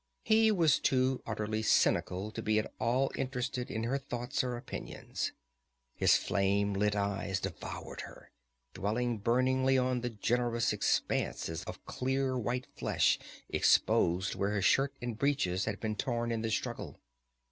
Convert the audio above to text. He was too utterly cynical to be at all interested in her thoughts or opinions. His flame lit eyes devoured her, dwelling burningly on the generous expanses of clear white flesh exposed where her shirt and breeches had been torn in the struggle.